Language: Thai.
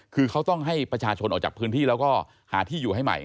คือเขาต้องให้ประชาชนออกจากพื้นที่แล้วก็หาที่อยู่ให้ใหม่